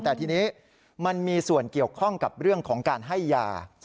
แต่ทีนี้มันมีส่วนเกี่ยวข้องกับเรื่องของการให้ยา